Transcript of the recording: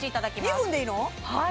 ２分でいいの？